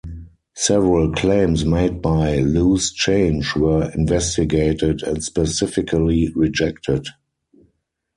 Several claims made by "Loose Change" were investigated and specifically rejected.